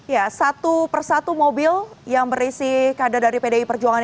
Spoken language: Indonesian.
ya satu persatu mobil yang berisi kader dari pdi perjuangan